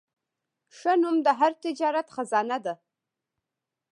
ښه نوم د هر تجارت خزانه ده.